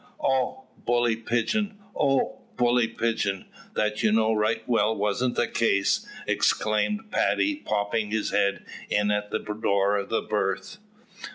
"Oh, bully Pigeon, oh, bully Pigeon, that you know right well wasn't the case," exclaimed Paddy, popping his head in at the door of the berth.